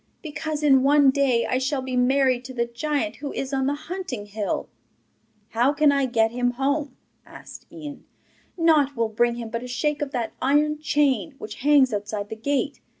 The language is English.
'Because in one day I shall be married to the giant who is on the hunting hill.' 'How can I get him home?' asked Ian. 'Nought will bring him but a shake of that iron chain which hangs outside the gate.